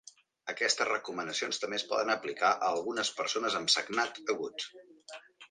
Aquestes recomanacions també es poden aplicar a algunes persones amb sagnat agut.